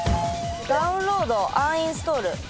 ダウンロードアンインストール。